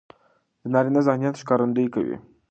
د نارينه ذهنيت ښکارندويي کوي.